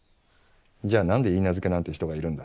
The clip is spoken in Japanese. じゃあ何でいいなずけなんて人がいるんだ。